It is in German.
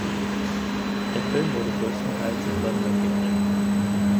Der Film wurde größtenteils in London gedreht.